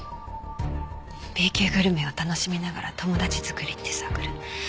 Ｂ級グルメを楽しみながら友達作りってサークル。